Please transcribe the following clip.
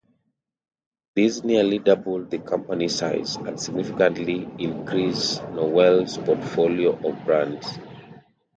This nearly doubled the company's size, and significantly increased Newell's portfolio of brands.